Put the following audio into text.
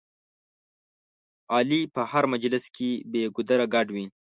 علي په هر مجلس کې بې ګودره ګډ وي.